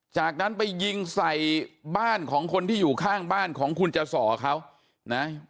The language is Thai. จากนั้นไปยิงใส่บ้านของคนที่อยู่ข้างบ้านของคุณจสอเขานะ